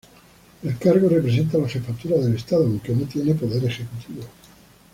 El cargo representa la jefatura del Estado, aunque no tiene poder ejecutivo.